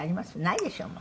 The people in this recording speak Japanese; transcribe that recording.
ないでしょう？